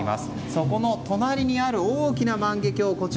そこの隣にある大きな万華鏡。